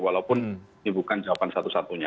walaupun ini bukan jawaban satu satunya